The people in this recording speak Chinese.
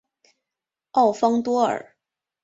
奥方多尔。